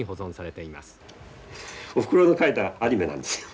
おふくろが描いたアニメなんですよ。